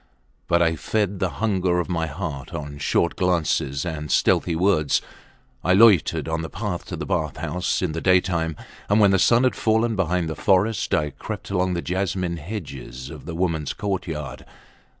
But I fed the hunger of my heart on short glances and stealthy words. I loitered on the path to the bath houses in the daytime, and when the sun had fallen behind the forest I crept along the jasmine hedges of the womens courtyard.